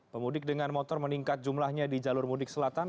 pemudik dengan motor meningkat jumlahnya di jalur mudik selatan